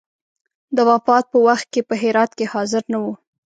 د وفات په وخت کې په هرات کې حاضر نه وو.